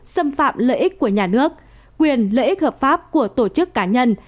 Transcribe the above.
xâm phạm lợi ích của nhà nước quyền lợi ích hợp pháp của tổ chức cá nhân